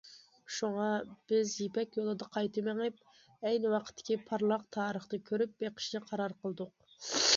شۇڭا بىز يىپەك يولىدا قايتا مېڭىپ، ئەينى ۋاقىتتىكى پارلاق تارىخنى كۆرۈپ بېقىشنى قارار قىلدۇق.